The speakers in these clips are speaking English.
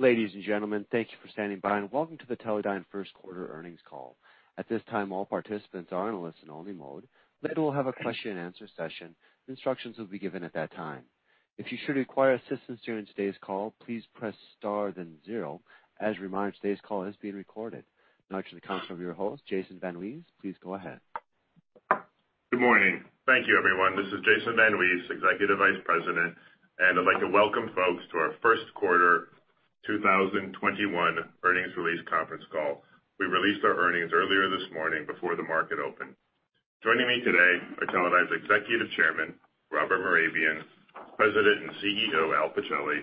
Ladies and gentlemen, thank you for standing by and welcome to the Teledyne first quarter earnings call. At this time, all participants are in a listen-only mode. Later, we'll have a question and answer session. Instructions will be given at that time. If you should require assistance during today's call, please press star then zero. As a reminder, today's call is being recorded. Now to the call over of your host, Jason VanWees. Please go ahead. Good morning. Thank you, everyone. This is Jason VanWees, Executive Vice President, and I'd like to welcome folks to our first quarter 2021 earnings release conference call. We released our earnings earlier this morning before the market opened. Joining me today are Teledyne's Executive Chairman, Robert Mehrabian, President and CEO, Al Pichelli,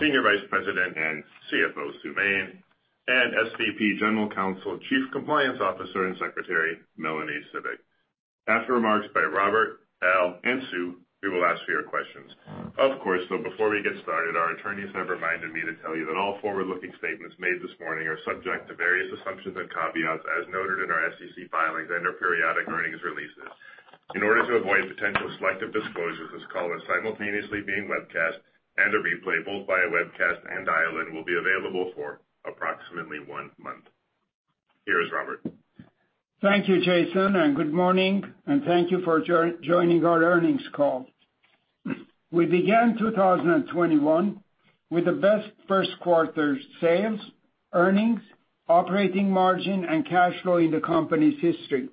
Senior Vice President and CFO, Sue Main, and SVP General Counsel, Chief Compliance Officer, and Secretary, Melanie Cibik. After remarks by Robert, Al, and Sue, we will ask for your questions. Of course, though before we get started, our attorneys have reminded me to tell you that all forward-looking statements made this morning are subject to various assumptions and caveats as noted in our SEC filings and/or periodic earnings releases. In order to avoid potential selective disclosures, this call is simultaneously being webcast, and a replay, both via webcast and dial-in, will be available for approximately one month. Here is Robert. Thank you, Jason, good morning, and thank you for joining our earnings call. We began 2021 with the best first quarter sales, earnings, operating margin, and cash flow in the company's history.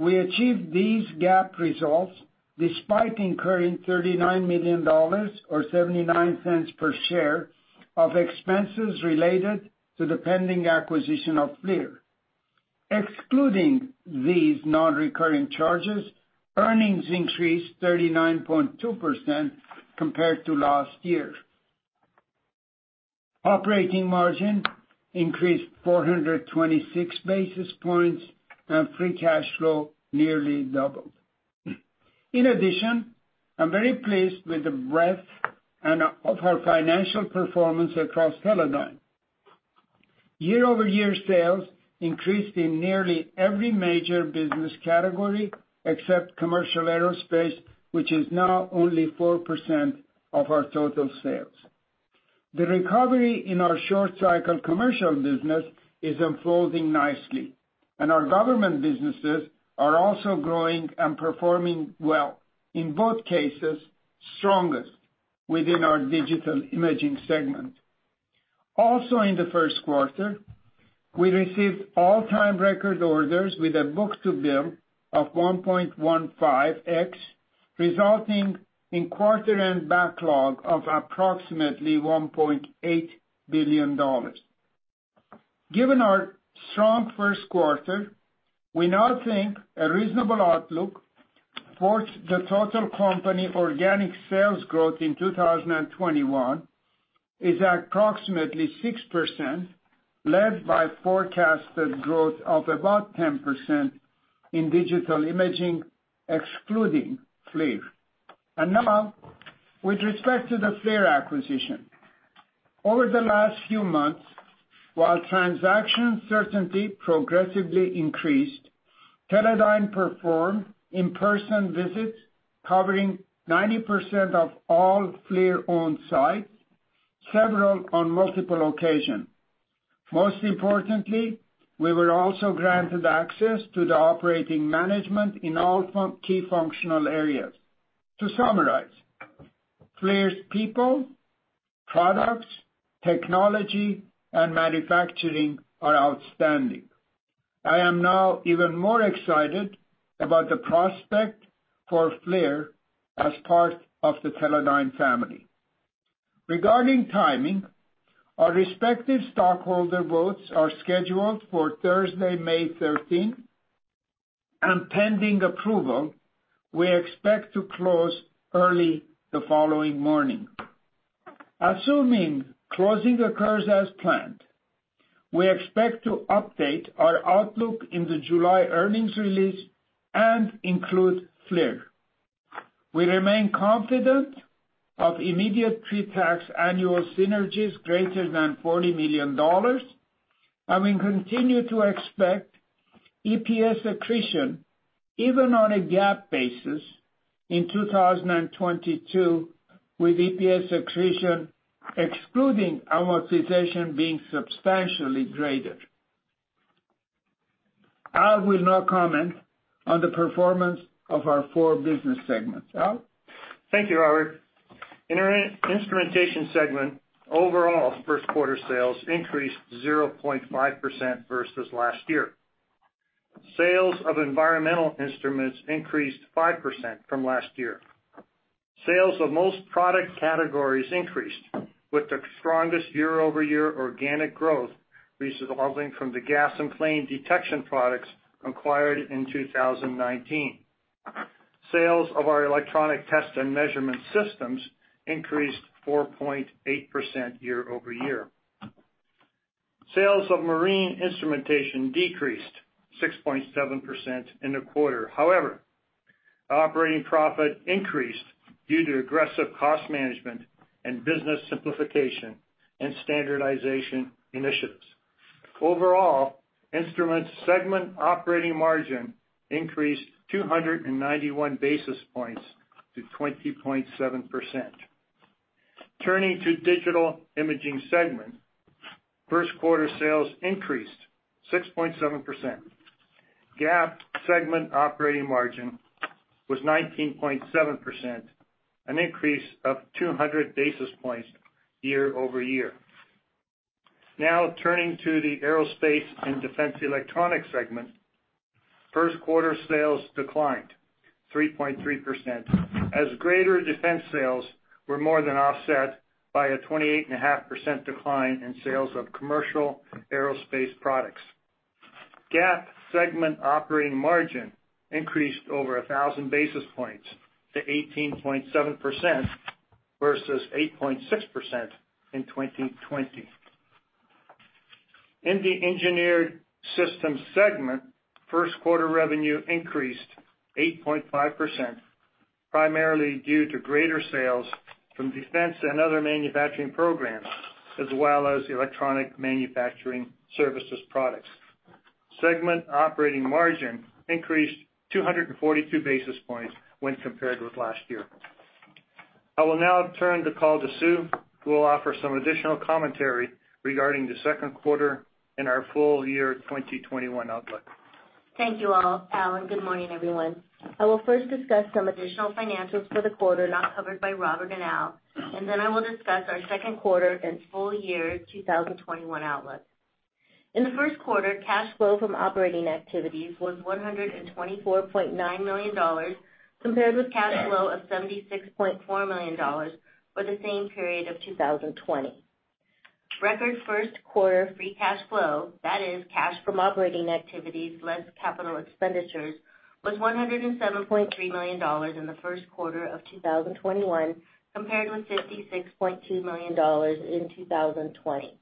We achieved these GAAP results despite incurring $39 million, or $0.79 per share, of expenses related to the pending acquisition of FLIR. Excluding these non-recurring charges, earnings increased 39.2% compared to last year. Operating margin increased 426 basis points, and free cash flow nearly doubled. I'm very pleased with the breadth of our financial performance across Teledyne. Year-over-year sales increased in nearly every major business category except commercial aerospace, which is now only 4% of our total sales. The recovery in our short cycle commercial business is unfolding nicely, and our government businesses are also growing and performing well, in both cases, strongest within our Digital Imaging segment. Also, in the first quarter, we received all-time record orders with a book-to-bill of 1.15x, resulting in quarter-end backlog of approximately $1.8 billion. Given our strong first quarter, we now think a reasonable outlook for the total company organic sales growth in 2021 is approximately 6%, led by forecasted growth of about 10% in digital imaging, excluding FLIR. Now, with respect to the FLIR acquisition. Over the last few months, while transaction certainty progressively increased, Teledyne performed in-person visits covering 90% of all FLIR on-site, several on multiple occasions. Most importantly, we were also granted access to the operating management in all key functional areas. To summarize, FLIR's people, products, technology, and manufacturing are outstanding. I am now even more excited about the prospect for FLIR as part of the Teledyne family. Regarding timing, our respective stockholder votes are scheduled for Thursday, May 13, and pending approval, we expect to close early the following morning. Assuming closing occurs as planned, we expect to update our outlook in the July earnings release and include FLIR. We remain confident of immediate pre-tax annual synergies greater than $40 million. We continue to expect EPS accretion even on a GAAP basis in 2022 with EPS accretion excluding amortization being substantially greater. Al will now comment on the performance of our four business segments. Al? Thank you, Robert. In our Instrumentation Segment, overall first quarter sales increased 0.5% versus last year. Sales of environmental instruments increased 5% from last year. Sales of most product categories increased, with the strongest year-over-year organic growth resulting from the gas and flame detection products acquired in 2019. Sales of our electronic test and measurement systems increased 4.8% year-over-year. Sales of marine instrumentation decreased 6.7% in the quarter. However, operating profit increased due to aggressive cost management and business simplification and standardization initiatives. Overall, Instruments segment operating margin increased 291 basis points to 20.7%. Turning to Digital Imaging segment, first quarter sales increased 6.7%. GAAP segment operating margin was 19.7%, an increase of 200 basis points year-over-year. Now turning to the Aerospace and Defense Electronics segment. First quarter sales declined 3.3%, as greater defense sales were more than offset by a 28.5% decline in sales of commercial aerospace products. GAAP segment operating margin increased over 1,000 basis points to 18.7% versus 8.6% in 2020. In the Engineered Systems segment, first quarter revenue increased 8.5%, primarily due to greater sales from defense and other manufacturing programs, as well as electronic manufacturing services products. Segment operating margin increased 242 basis points when compared with last year. I will now turn the call to Sue, who will offer some additional commentary regarding the second quarter and our full year 2021 outlook. Thank you, Al. Good morning, everyone. I will first discuss some additional financials for the quarter not covered by Robert and Al, and then I will discuss our second quarter and full year 2021 outlook. In the first quarter, cash flow from operating activities was $124.9 million, compared with cash flow of $76.4 million for the same period of 2020. Record first quarter free cash flow, that is cash from operating activities less capital expenditures, was $107.3 million in the first quarter of 2021, compared with $56.2 million in 2020.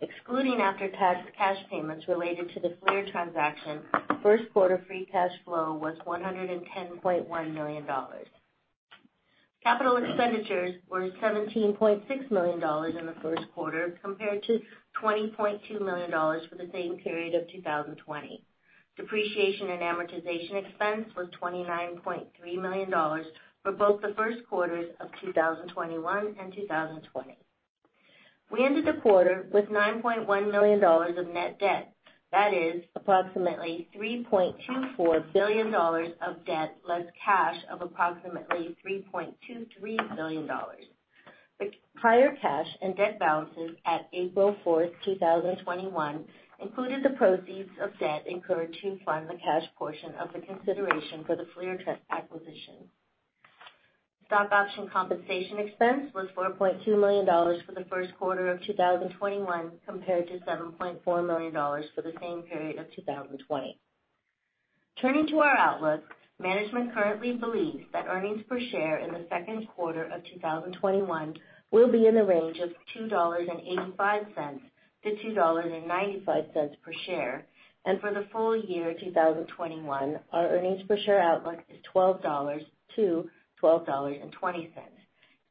Excluding after-tax cash payments related to the FLIR transaction, first quarter free cash flow was $110.1 million. Capital expenditures were $17.6 million in the first quarter, compared to $20.2 million for the same period of 2020. Depreciation and amortization expense was $29.3 million for both the first quarters of 2021 and 2020. We ended the quarter with $9.1 million of net debt. That is approximately $3.24 billion of debt less cash of approximately $3.23 billion. The prior cash and debt balances at April 4th, 2021 included the proceeds of debt incurred to fund the cash portion of the consideration for the FLIR acquisition. Stock option compensation expense was $4.2 million for the first quarter of 2021, compared to $7.4 million for the same period of 2020. Turning to our outlook, management currently believes that earnings per share in the second quarter of 2021 will be in the range of $2.85-$2.95 per share. For the full year 2021, our earnings per share outlook is $12-$12.20.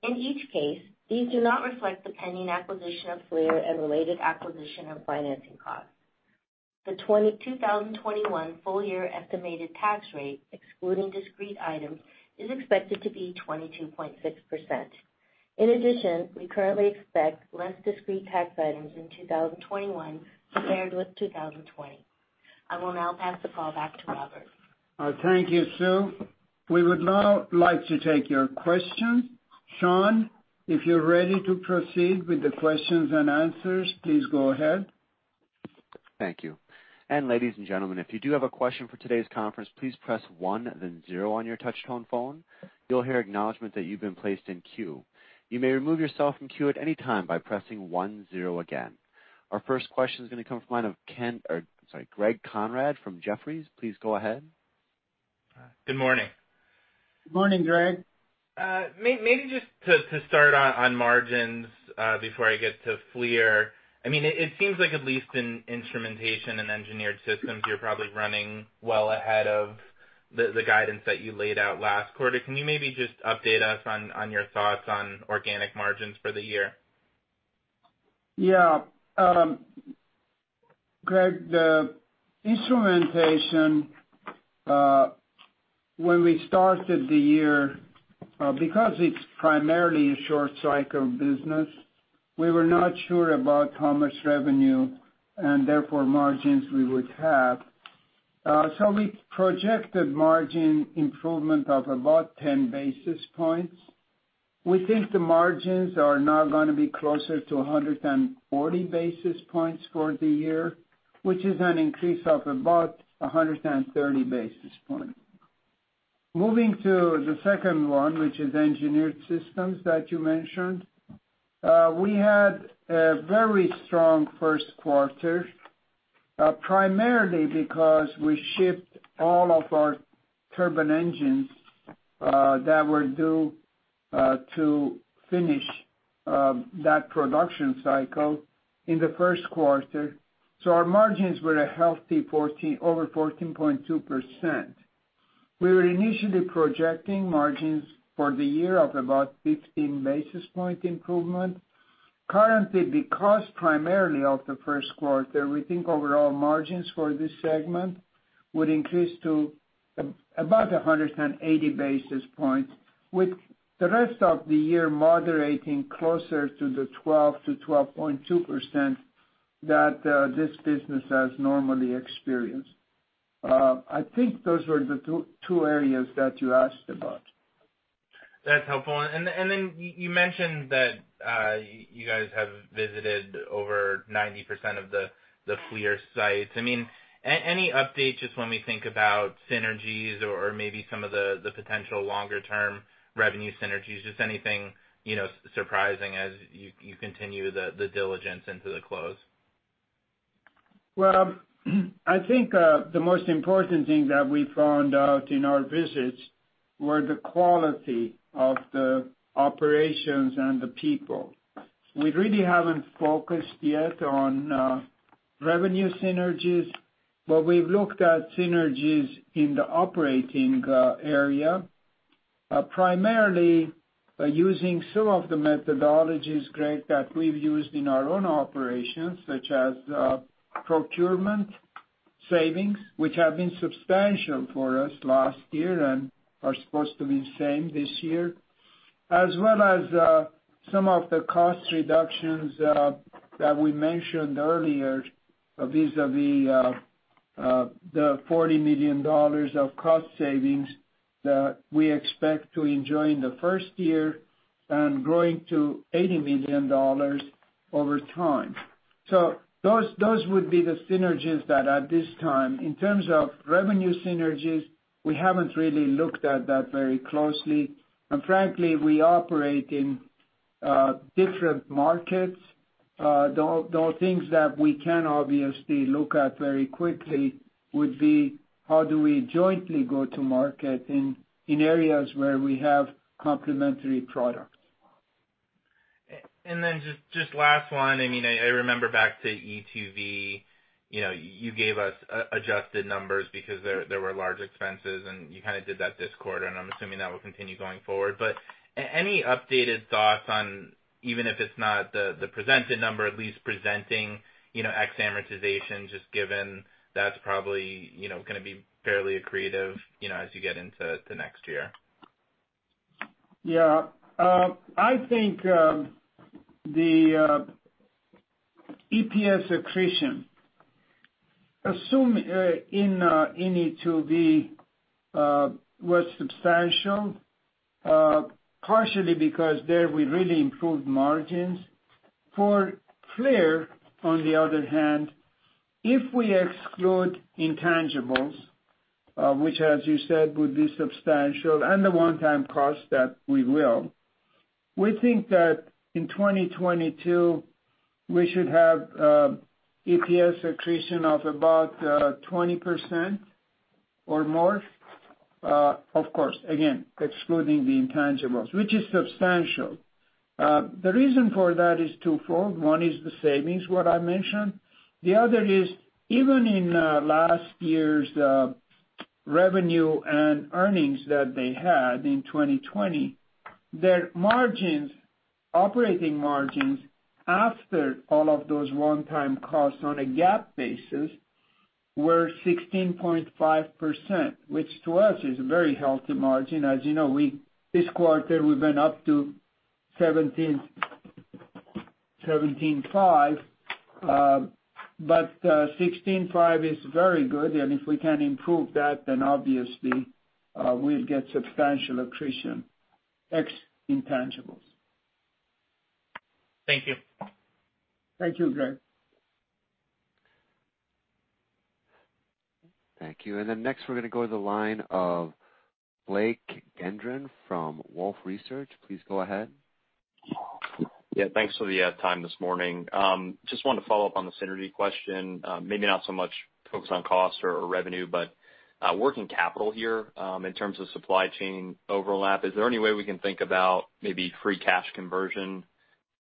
In each case, these do not reflect the pending acquisition of FLIR and related acquisition of financing costs. The 2021 full year estimated tax rate, excluding discrete items, is expected to be 22.6%. In addition, we currently expect less discrete tax items in 2021 compared with 2020. I will now pass the call back to Robert. Thank you, Sue. We would now like to take your questions. Sean, if you're ready to proceed with the questions and answers, please go ahead. Thank you. Ladies and gentlemen, if you do have a question for today's conference, please press one, then zero on your touch-tone phone. You'll hear acknowledgment that you've been placed in queue. You may remove yourself from queue at any time by pressing one, zero again. Our first question is going to come from the line of Greg Konrad from Jefferies. Please go ahead. Good morning. Good morning, Greg. Maybe just to start on margins before I get to FLIR. It seems like at least in Instrumentation and Engineered Systems, you're probably running well ahead of the guidance that you laid out last quarter. Can you maybe just update us on your thoughts on organic margins for the year? Yeah. Greg, the Instrumentation, when we started the year, because it's primarily a short cycle business, we were not sure about how much revenue, and therefore margins, we would have. We projected margin improvement of about 10 basis points. We think the margins are now going to be closer to 140 basis points for the year, which is an increase of about 130 basis points. Moving to the second one, which is Engineered Systems that you mentioned. We had a very strong first quarter, primarily because we shipped all of our turbine engines that were due to finish that production cycle in the first quarter. Our margins were a healthy over 14.2%. We were initially projecting margins for the year of about 15 basis point improvement. Currently, because primarily of the first quarter, we think overall margins for this segment would increase to about 180 basis points, with the rest of the year moderating closer to the 12%-12.2% that this business has normally experienced. I think those were the two areas that you asked about. That's helpful. You mentioned that you guys have visited over 90% of the FLIR sites. Any update, just when we think about synergies or maybe some of the potential longer-term revenue synergies, just anything surprising as you continue the diligence into the close? I think the most important thing that we found out in our visits were the quality of the operations and the people. We really haven't focused yet on revenue synergies, but we've looked at synergies in the operating area. Primarily by using some of the methodologies, Greg, that we've used in our own operations, such as procurement savings, which have been substantial for us last year and are supposed to be same this year. As well as some of the cost reductions that we mentioned earlier, vis-a-vis the $40 million of cost savings that we expect to enjoy in the first year and growing to $80 million over time. Those would be the synergies that at this time, in terms of revenue synergies, we haven't really looked at that very closely. Frankly, we operate in different markets. The things that we can obviously look at very quickly would be how do we jointly go to market in areas where we have complementary products. Just last one. I remember back to e2v, you gave us adjusted numbers because there were large expenses, and you did that this quarter, and I'm assuming that will continue going forward. Any updated thoughts on, even if it's not the presented number, at least presenting ex amortization, just given that's probably going to be fairly accretive as you get into the next year? Yeah. I think the EPS accretion, assume in e2v was substantial, partially because there we really improved margins. For FLIR, on the other hand, if we exclude intangibles, which as you said, would be substantial, and the one-time cost that we will, we think that in 2022, we should have EPS accretion of about 20% or more. Of course, again, excluding the intangibles, which is substantial. The reason for that is twofold. One is the savings, what I mentioned. The other is, even in last year's revenue and earnings that they had in 2020, their margins, operating margins, after all of those one-time costs on a GAAP basis, were 16.5%, which to us is a very healthy margin. As you know, this quarter we went up to 17.5%, but 16.5% is very good, and if we can improve that, then obviously we'll get substantial accretion, ex intangibles. Thank you. Thank you, Greg. Thank you. Next we're going to go to the line of Blake Gendron from Wolfe Research. Please go ahead. Yeah. Thanks for the time this morning. Just wanted to follow up on the synergy question. Maybe not so much focused on cost or revenue, but working capital here, in terms of supply chain overlap, is there any way we can think about maybe free cash conversion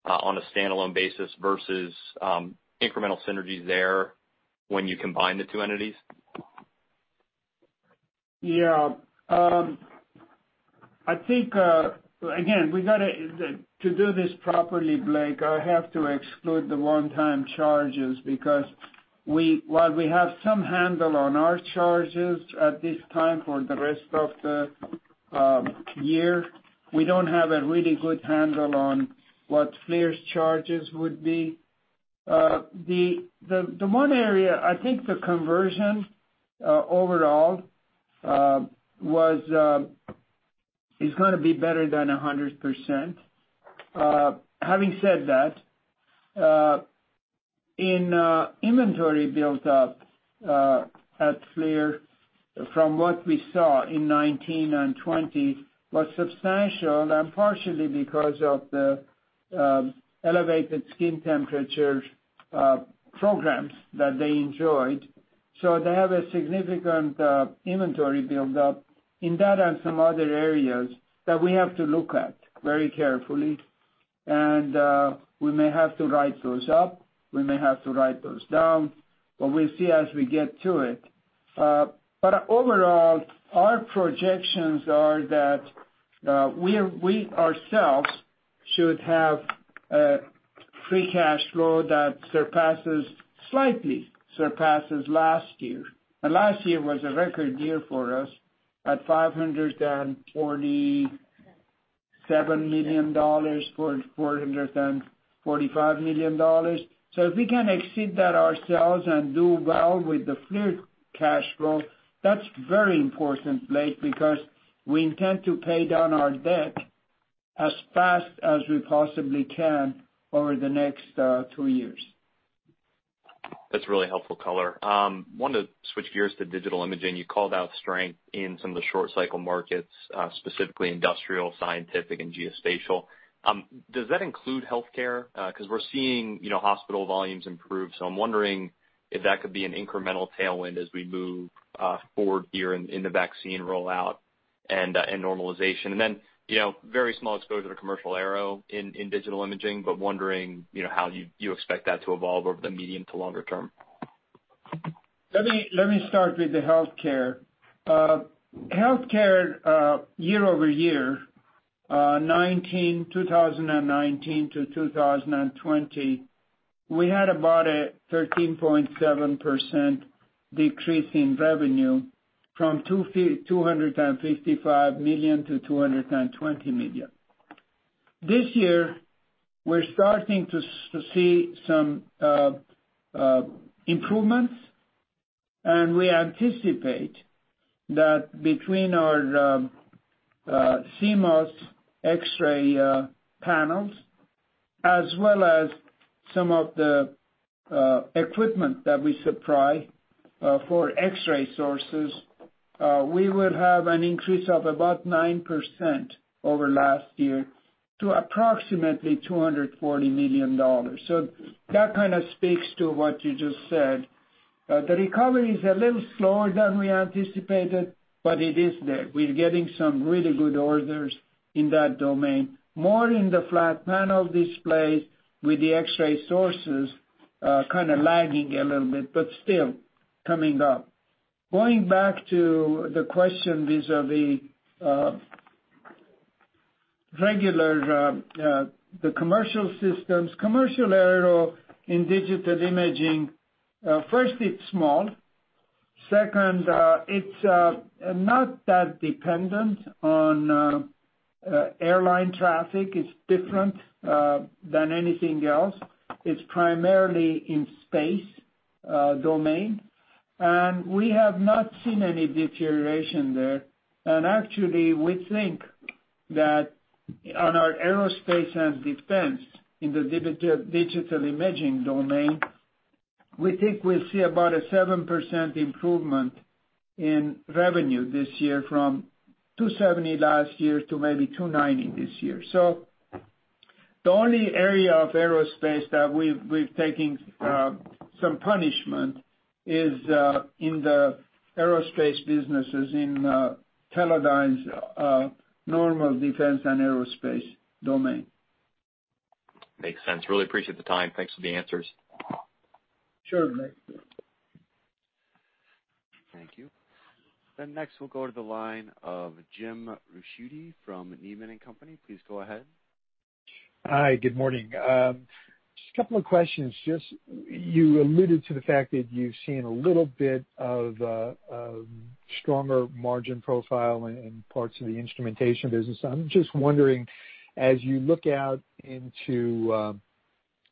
on a standalone basis versus incremental synergies there when you combine the two entities? I think, again, to do this properly, Blake, I have to exclude the one-time charges because while we have some handle on our charges at this time for the rest of the year, we don't have a really good handle on what FLIR's charges would be. The one area, I think the conversion overall is going to be better than 100%. Having said that, in inventory build-up at FLIR, from what we saw in 2019 and 2020, was substantial and partially because of the elevated skin temperature programs that they enjoyed. They have a significant inventory build-up in that and some other areas that we have to look at very carefully. We may have to write those up, we may have to write those down. We'll see as we get to it. Overall, our projections are that we ourselves should have a free cash flow that slightly surpasses last year. Last year was a record year for us at $547 million, $445 million. If we can exceed that ourselves and do well with the free cash flow, that's very important, Blake, because we intend to pay down our debt as fast as we possibly can over the next two years. That's really helpful color. Wanted to switch gears to digital imaging. You called out strength in some of the short cycle markets, specifically industrial, scientific, and geospatial. Does that include healthcare? Because we're seeing hospital volumes improve, so I'm wondering if that could be an incremental tailwind as we move forward here in the vaccine rollout and normalization. Very small exposure to commercial aero in digital imaging, but wondering how you expect that to evolve over the medium to longer-term. Let me start with the healthcare. Healthcare year-over-year, 2019 to 2020, we had about a 13.7% decrease in revenue from $255 million-$220 million. This year, we're starting to see some improvements, and we anticipate that between our CMOS X-ray panels, as well as some of the equipment that we supply for X-ray sources, we will have an increase of about 9% over last year to approximately $240 million. That kind of speaks to what you just said. The recovery is a little slower than we anticipated, but it is there. We're getting some really good orders in that domain. More in the flat panel displays with the x-ray sources kind of lagging a little bit, but still coming up. Going back to the question vis-à-vis the commercial systems. Commercial aero in digital imaging, first, it's small. Second, it's not that dependent on airline traffic. It's different than anything else. It's primarily in space domain. We have not seen any deterioration there. Actually, we think that on our aerospace and defense in the digital imaging domain, we think we'll see about a 7% improvement in revenue this year from $270 last year to maybe $290 this year. The only area of aerospace that we've taken some punishment is in the aerospace businesses in Teledyne's normal defense and aerospace domain. Makes sense. Really appreciate the time. Thanks for the answers. Sure, Blake. Thank you. Next, we'll go to the line of Jim Ricchiuti from Needham & Company. Please go ahead. Hi, good morning. Just a couple of questions. You alluded to the fact that you've seen a little bit of a stronger margin profile in parts of the instrumentation business. I'm just wondering, as you look out into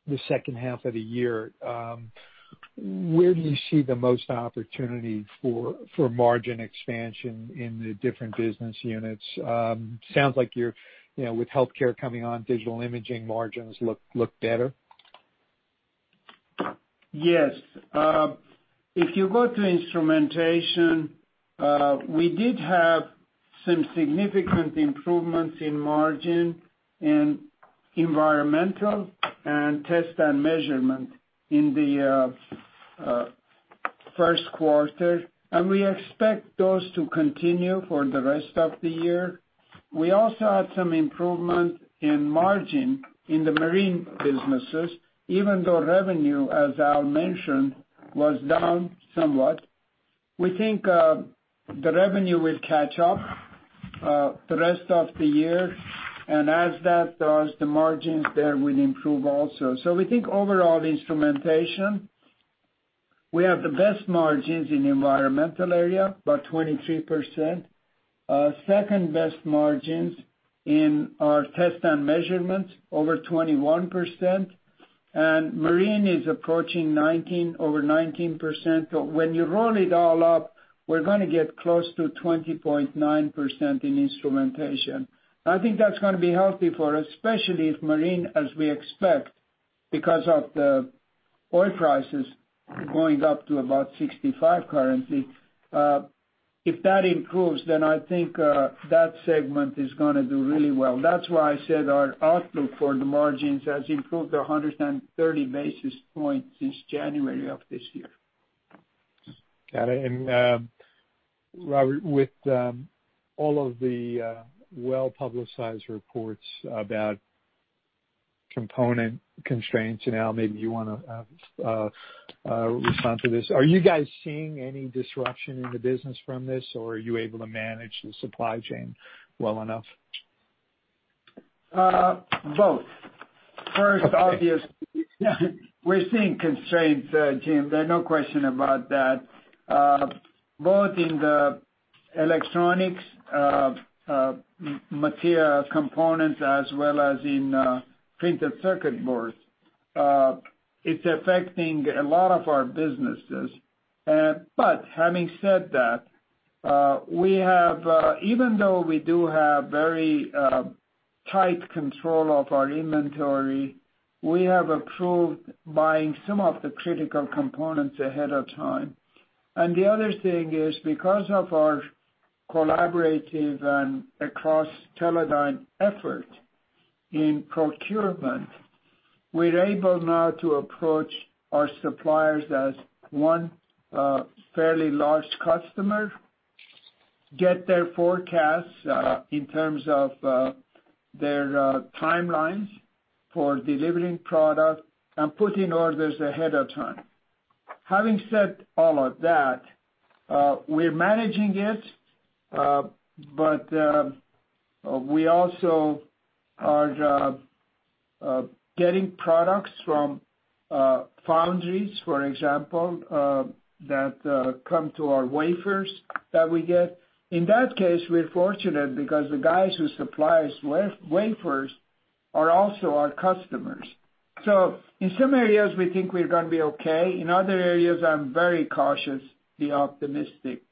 the second half of the year, where do you see the most opportunity for margin expansion in the different business units? Sounds like with healthcare coming on, digital imaging margins look better. If you go to instrumentation, we did have some significant improvements in margin in environmental and test and measurement in the first quarter, and we expect those to continue for the rest of the year. We also had some improvement in margin in the marine businesses, even though revenue, as Al mentioned, was down somewhat. We think the revenue will catch up the rest of the year, and as that does, the margins there will improve also. We think overall, the instrumentation, we have the best margins in environmental area, about 23%. Second-best margins in our test and measurements, over 21%, and marine is approaching over 19%. When you roll it all up, we're going to get close to 20.9% in instrumentation. I think that's going to be healthy for us, especially if marine, as we expect, because of the oil prices going up to about 65 currently. If that improves, I think that segment is going to do really well. That's why I said our outlook for the margins has improved 130 basis points since January of this year. Got it. Robert, with all of the well-publicized reports about component constraints, and now maybe you want to respond to this, are you guys seeing any disruption in the business from this, or are you able to manage the supply chain well enough? Both. First, obviously, we're seeing constraints, Jim. There's no question about that, both in the electronics material components as well as in printed circuit boards. It's affecting a lot of our businesses. Having said that, even though we do have very tight control of our inventory, we have approved buying some of the critical components ahead of time. The other thing is, because of our collaborative and across Teledyne effort in procurement, we're able now to approach our suppliers as one fairly large customer, get their forecasts in terms of their timelines for delivering product, and put in orders ahead of time. Having said all of that, we're managing it, but we also are getting products from foundries, for example, that come to our wafers that we get. In that case, we're fortunate because the guys who supply us wafers are also our customers. In some areas, we think we're going to be okay. In other areas, I'm very cautious to be optimistic.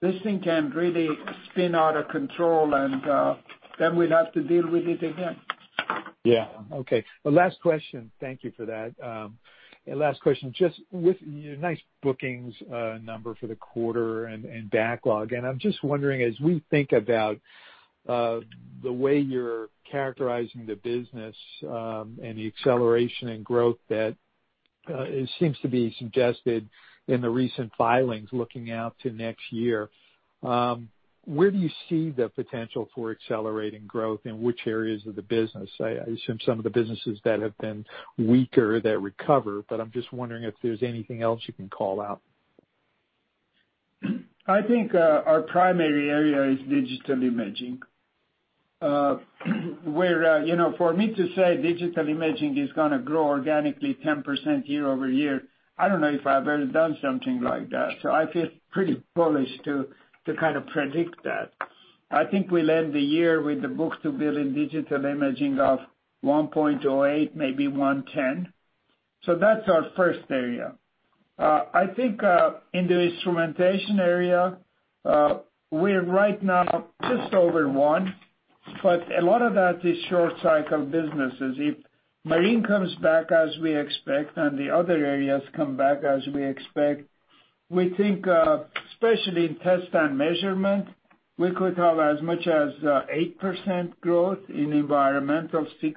This thing can really spin out of control, and then we'd have to deal with it again. Yeah. Okay. Well, last question. Thank you for that. Last question. Just with your nice bookings number for the quarter and backlog, and I'm just wondering, as we think about the way you're characterizing the business and the acceleration in growth that seems to be suggested in the recent filings looking out to next year, where do you see the potential for accelerating growth? In which areas of the business? I assume some of the businesses that have been weaker, that recover, but I'm just wondering if there's anything else you can call out. I think our primary area is digital imaging. For me to say digital imaging is going to grow organically 10% year-over-year, I don't know if I've ever done something like that, so I feel pretty bullish to kind of predict that. I think we'll end the year with the book-to-bill in digital imaging of 1.08, maybe 110. That's our first area. I think in the instrumentation area, we're right now just over one, but a lot of that is short-cycle businesses. If marine comes back as we expect and the other areas come back as we expect, we think, especially in test and measurement, we could have as much as 8% growth, in environmental 6%,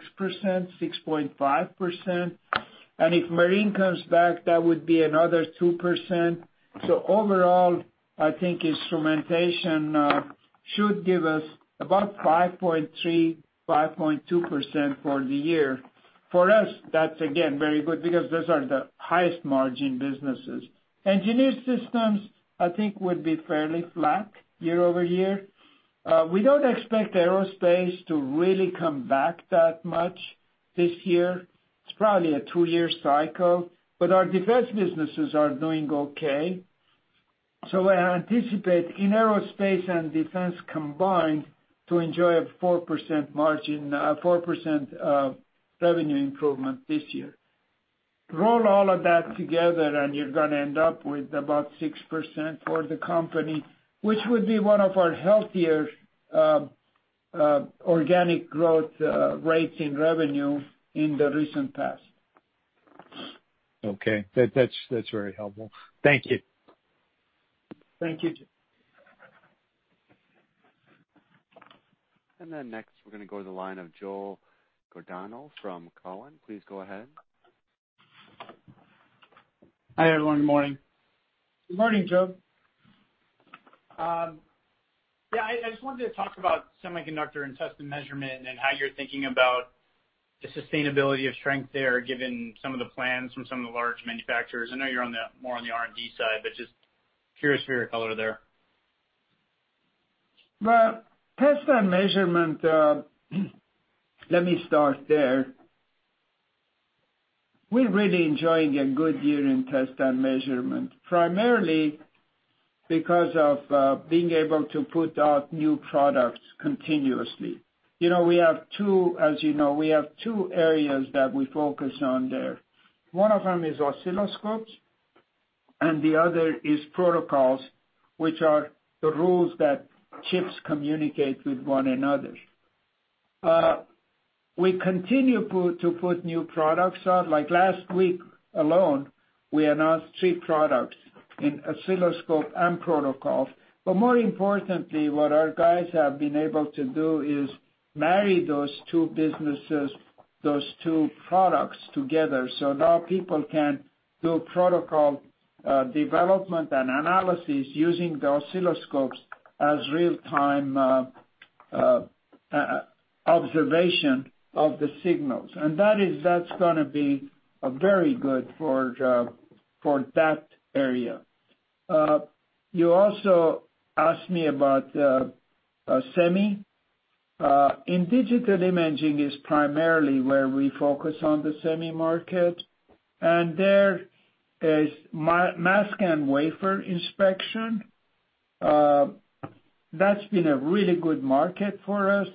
6.5%. If marine comes back, that would be another 2%. Overall, I think instrumentation should give us about 5.3%, 5.2% for the year. For us, that's again, very good because those are the highest margin businesses. Engineered systems, I think, would be fairly flat year-over-year. We don't expect aerospace to really come back that much this year. It's probably a two-year cycle. Our defense businesses are doing okay. I anticipate in aerospace and defense combined to enjoy a 4% margin, 4% revenue improvement this year. Roll all of that together, and you're going to end up with about 6% for the company, which would be one of our healthier organic growth rates in revenue in the recent past. Okay. That's very helpful. Thank you. Thank you, Jim. Next we're going to go to the line of Joe Giordano from Cowen. Please go ahead. Hi, everyone. Good morning. Good morning, Joe Yeah, I just wanted to talk about semiconductor and test and measurement and how you're thinking about the sustainability of strength there, given some of the plans from some of the large manufacturers. I know you're more on the R&D side, but just curious for your color there. Well, test and measurement, let me start there. We're really enjoying a good year in test and measurement, primarily because of being able to put out new products continuously. As you know, we have two areas that we focus on there. One of them is oscilloscopes, and the other is protocols, which are the rules that chips communicate with one another. We continue to put new products out. Like last week alone, we announced three products in oscilloscope and protocols. More importantly, what our guys have been able to do is marry those two products together. Now people can do protocol development and analysis using the oscilloscopes as real-time observation of the signals. That's going to be very good for that area. You also asked me about semi. In digital imaging is primarily where we focus on the semi market, and there is mask and wafer inspection. That's been a really good market for us.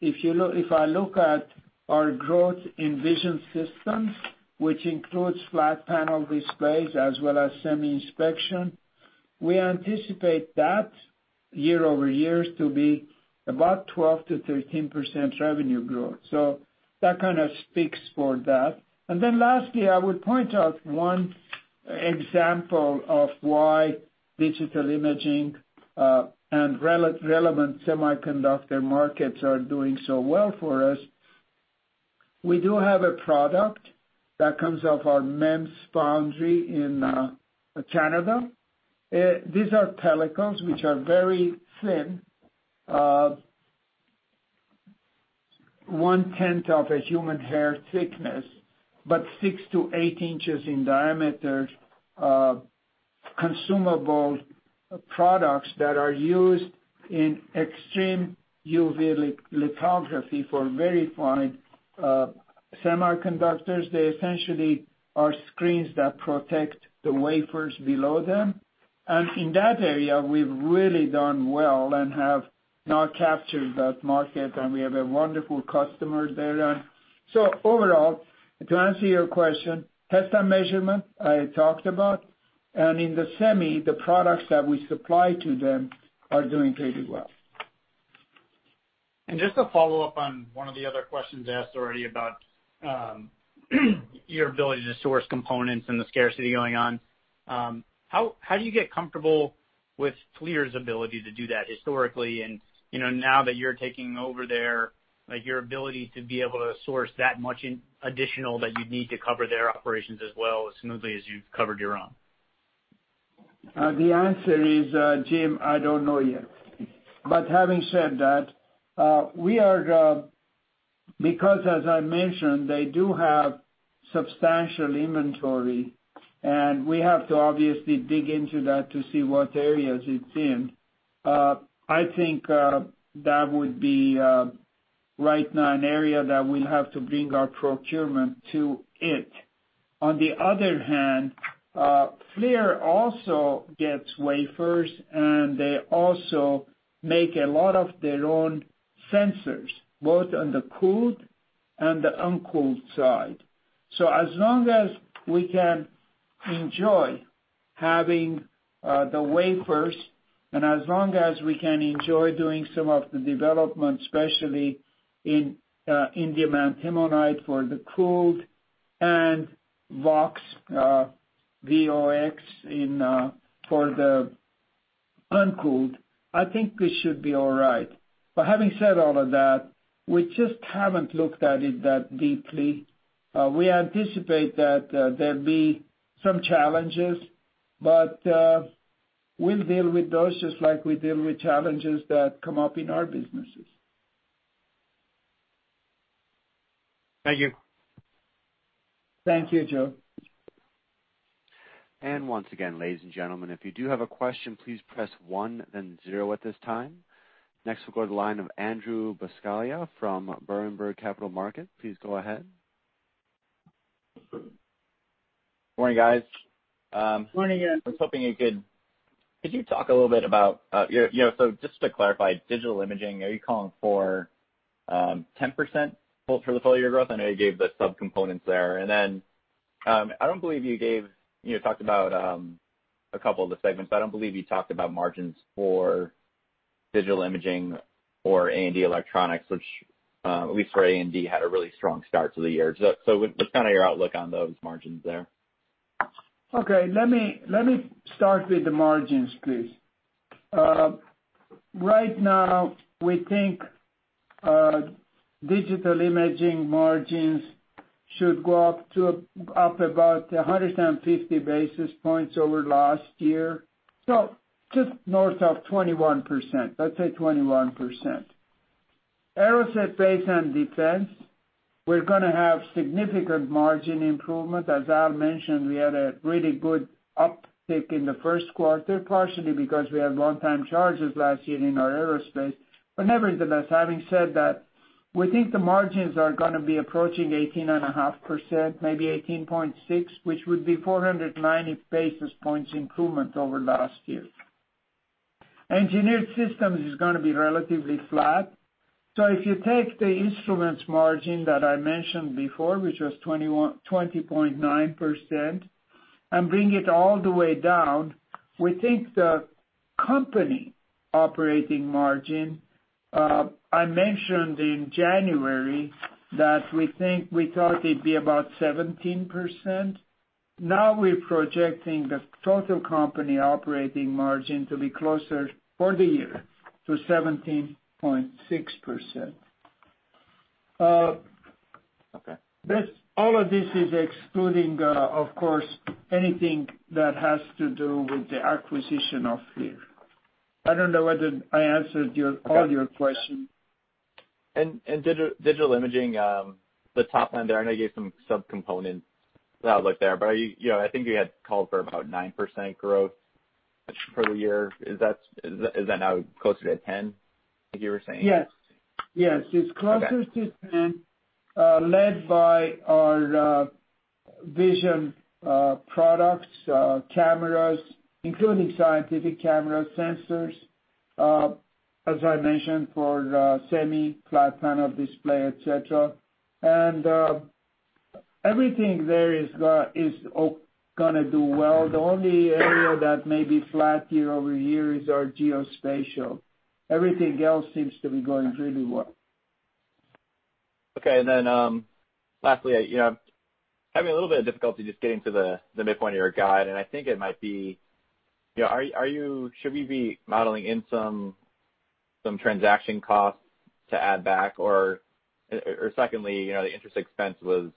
If I look at our growth in vision systems, which includes flat panel displays as well as semi-inspection, we anticipate that year-over-year to be about 12%-13% revenue growth. That kind of speaks for that. Lastly, I would point out one example of why digital imaging and relevant semiconductor markets are doing so well for us. We do have a product that comes off our MEMS foundry in Canada. These are pellicles, which are very thin, one-tenth of a human hair thickness, but six to eight inches in diameter, consumable products that are used in extreme UV lithography for very fine semiconductors. They essentially are screens that protect the wafers below them. In that area, we've really done well and have now captured that market, and we have a wonderful customer there. Overall, to answer your question, test and measurement, I talked about, and in the semi, the products that we supply to them are doing pretty well. Just to follow up on one of the other questions asked already about your ability to source components and the scarcity going on. How do you get comfortable with FLIR's ability to do that historically, and now that you're taking over there, like your ability to be able to source that much additional that you'd need to cover their operations as well as smoothly as you've covered your own? The answer is, Joe, I don't know yet. Having said that, because as I mentioned, they do have substantial inventory, and we have to obviously dig into that to see what areas it's in. I think that would be, right now, an area that we'll have to bring our procurement to it. On the other hand, FLIR also gets wafers, and they also make a lot of their own sensors, both on the cooled and the uncooled side. As long as we can enjoy having the wafers, and as long as we can enjoy doing some of the development, especially in indium antimonide for the cooled and VOx, for the uncooled, I think we should be all right. Having said all of that, we just haven't looked at it that deeply. We anticipate that there'll be some challenges, but we'll deal with those just like we deal with challenges that come up in our businesses. Thank you. Thank you, Joe. Once again, ladies and gentlemen, if you do have a question, please press one then zero at this time. Next we'll go to the line of Andrew Buscaglia from Berenberg Capital Markets. Please go ahead. Morning, guys. Morning, Andrew. I was hoping you could talk a little bit about, so just to clarify, digital imaging, are you calling for 10% full for the full year growth? I know you gave the sub-components there. Then, I don't believe you talked about a couple of the segments. I don't believe you talked about margins for digital imaging or A&D electronics, which at least for A&D, had a really strong start to the year. What's your outlook on those margins there? Okay. Let me start with the margins, please. Right now, we think digital imaging margins should go up about 150 basis points over last year. Just north of 21%, let's say 21%. Aerospace, Defense, and Space Systems, we're going to have significant margin improvement. As Al mentioned, we had a really good uptick in the first quarter, partially because we had one-time charges last year in our aerospace. Nevertheless, having said that, we think the margins are going to be approaching 18.5%, maybe 18.6%, which would be 490 basis points improvement over last year. Engineered Systems is going to be relatively flat. If you take the instruments margin that I mentioned before, which was 20.9%, and bring it all the way down, we think the company operating margin, I mentioned in January that we thought it'd be about 17%. Now we're projecting the total company operating margin to be closer, for the year, to 17.6%. Okay. All of this is excluding, of course, anything that has to do with the acquisition of FLIR. I don't know whether I answered all your question. Digital imaging, the top line there, I know you gave some sub-components that I would look there, but I think you had called for about 9% growth for the year. Is that now closer to 10%, like you were saying? Yes. It's closer to 10%- Okay. led by our vision products, cameras, including scientific camera sensors, as I mentioned, for semi, flat panel display, et cetera. Everything there is going to do well. The only area that may be flat year-over-year is our geospatial. Everything else seems to be going really well. Lastly, I'm having a little bit of difficulty just getting to the midpoint of your guide, and I think it might be, should we be modeling in some transaction costs to add back? Secondly, the interest expense was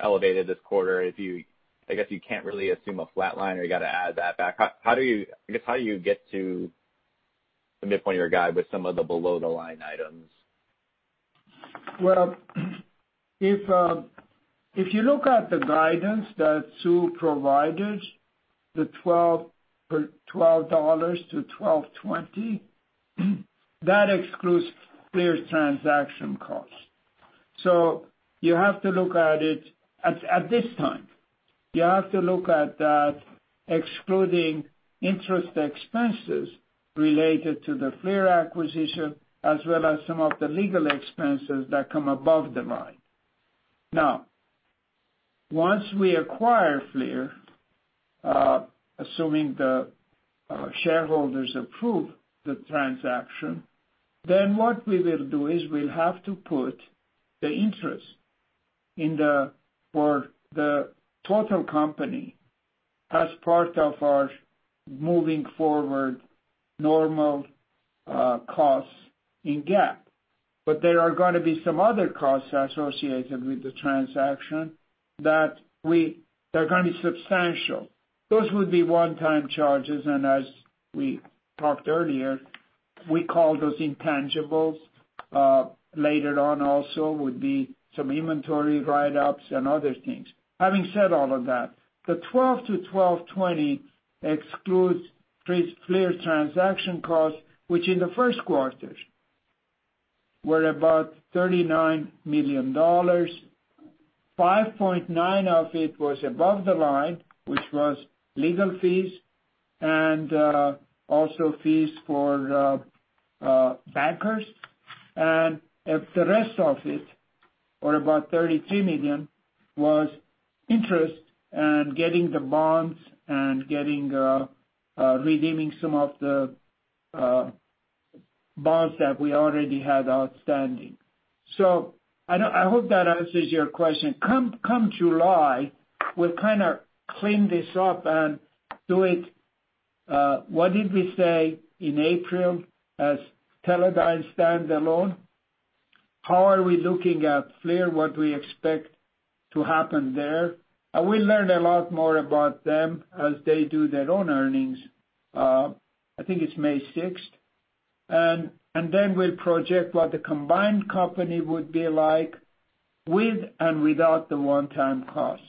elevated this quarter. I guess you can't really assume a flat line, or you got to add that back. I guess, how do you get to the midpoint of your guide with some of the below the line items? If you look at the guidance that Sue provided, the $12-$12.20, that excludes FLIR's transaction costs. You have to look at it, at this time, you have to look at that excluding interest expenses related to the FLIR acquisition, as well as some of the legal expenses that come above the line. Once we acquire FLIR, assuming the shareholders approve the transaction, then what we will do is we'll have to put the interest for the total company as part of our moving forward normal costs in GAAP. There are gonna be some other costs associated with the transaction that are gonna be substantial. Those would be one-time charges, and as we talked earlier, we call those intangibles. Later on also would be some inventory write-ups and other things. Having said all of that, the $12-$12.20 excludes FLIR's transaction costs, which in the first quarter were about $39 million. $5.9 million of it was above the line, which was legal fees and also fees for bankers. The rest of it, or about $33 million, was interest in getting the bonds and redeeming some of the bonds that we already had outstanding. I hope that answers your question. Come July, we'll kind of clean this up and do it, what did we say in April as Teledyne standalone? How are we looking at FLIR, what we expect to happen there? We'll learn a lot more about them as they do their own earnings, I think it's May 6th. We'll project what the combined company would be like with and without the one-time costs.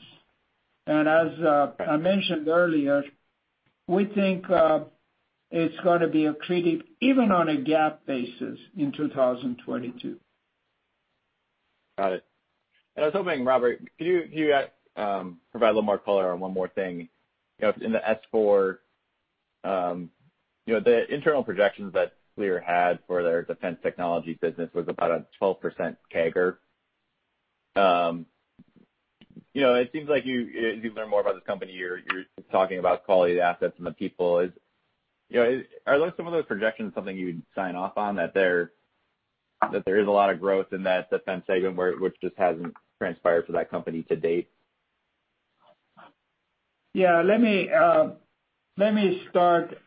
As I mentioned earlier, we think it's going to be accretive even on a GAAP basis in 2022. Got it. I was hoping, Robert, could you provide a little more color on one more thing? In the S4, the internal projections that FLIR had for their defense technology business was about a 12% CAGR. It seems like as you learn more about this company, you're talking about quality of the assets and the people. Are those some of those projections something you'd sign off on, that there is a lot of growth in that defense segment which just hasn't transpired for that company to date? Yeah. Let me start,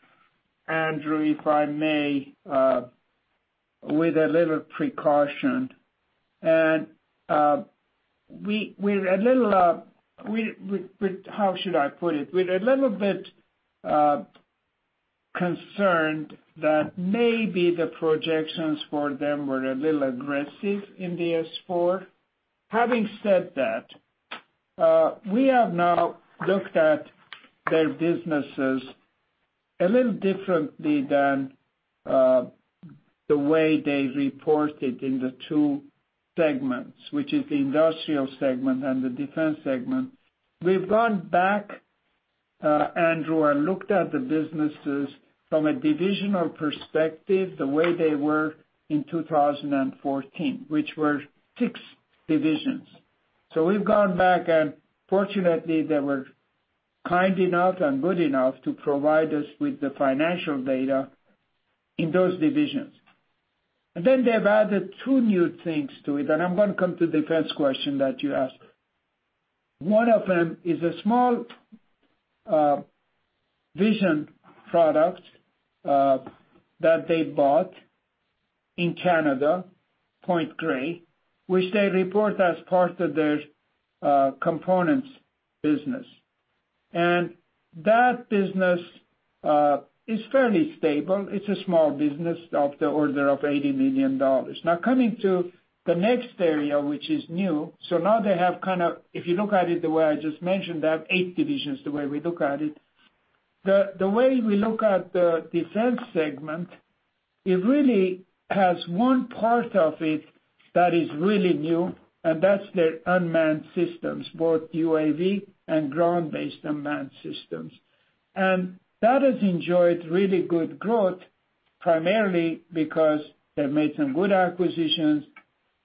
Andrew, if I may, with a little precaution. How should I put it? We're a little bit concerned that maybe the projections for them were a little aggressive in the S4. Having said that, we have now looked at their businesses a little differently than the way they reported in the two segments, which is the industrial segment and the defense segment. We've gone back, Andrew, and looked at the businesses from a divisional perspective the way they were in 2014, which were 6 divisions. We've gone back, and fortunately, they were kind enough and good enough to provide us with the financial data in those divisions. They've added two new things to it, and I'm going to come to the defense question that you asked. One of them is a small vision product that they bought in Canada, Point Grey, which they report as part of their components business. That business is fairly stable. It's a small business of the order of $80 million. Coming to the next area, which is new. Now they have, if you look at it the way I just mentioned, they have eight divisions, the way we look at it. The way we look at the defense segment, it really has one part of it that is really new, and that's their unmanned systems, both UAV and ground-based unmanned systems. That has enjoyed really good growth, primarily because they've made some good acquisitions,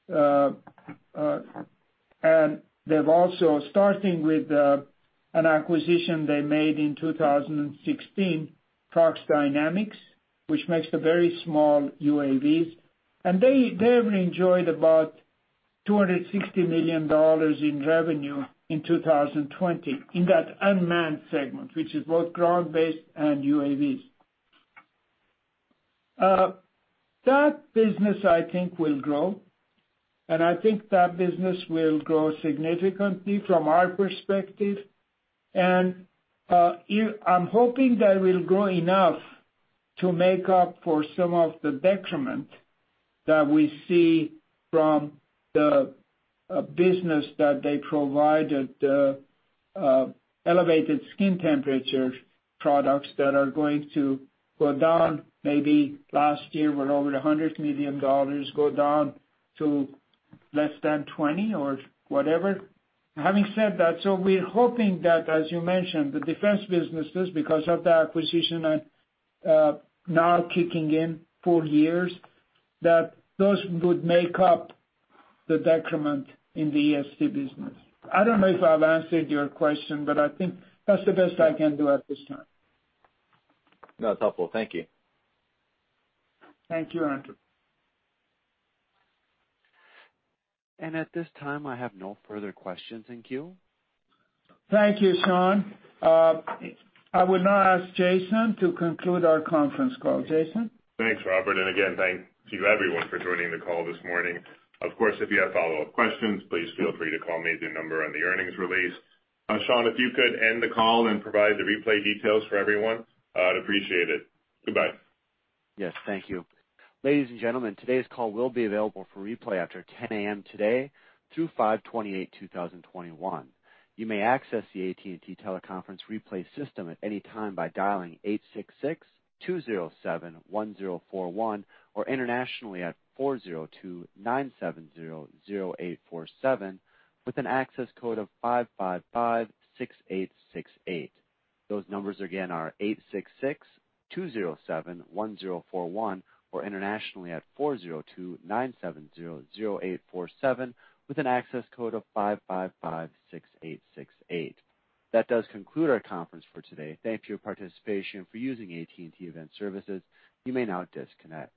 and they've also, starting with an acquisition they made in 2016, Prox Dynamics, which makes the very small UAVs. They've enjoyed about $260 million in revenue in 2020 in that unmanned segment, which is both ground-based and UAVs. That business, I think, will grow, and I think that business will grow significantly from our perspective. I'm hoping that it will grow enough to make up for some of the detriment that we see from the business that they provide at the elevated skin temperature products that are going to go down. Maybe last year were over $100 million, go down to less than 20 or whatever. Having said that, we're hoping that, as you mentioned, the defense businesses, because of the acquisition now kicking in four years, that those would make up the decrement in the EST business. I don't know if I've answered your question, but I think that's the best I can do at this time. No, it's helpful. Thank you. Thank you, Andrew. At this time, I have no further questions in queue. Thank you, Sean. I would now ask Jason to conclude our conference call. Jason? Thanks, Robert. Again, thank you everyone for joining the call this morning. Of course, if you have follow-up questions, please feel free to call me at the number on the earnings release. Sean, if you could end the call and provide the replay details for everyone, I'd appreciate it. Goodbye. Yes, thank you. Ladies and gentlemen, today's call will be available for replay after 10:00 A.M. today through 5/28/2021. You may access the AT&T Teleconference replay system at any time by dialing 866-207-1041 or internationally at 402-970-0847 with an access code of 5556868. Those numbers again are 866-207-1041 or internationally at 402-970-0847 with an access code of 5556868. That does conclude our conference for today. Thank you for your participation, for using AT&T Event Services. You may now disconnect.